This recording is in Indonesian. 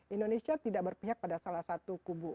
indonesia tidak berpihak pada salah satu kubu